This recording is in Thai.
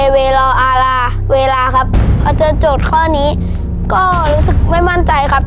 เวลาครับพอจะจดข้อนี้ก็รู้สึกไม่มั่นใจครับ